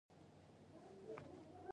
زما ریښتینی کار پیل شو .